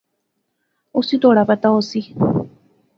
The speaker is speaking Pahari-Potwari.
اُس وی تہواڑا پتہ ہوسی